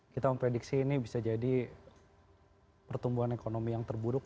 kita memprediksi ini bisa jadi pertumbuhan ekonomi yang terburuk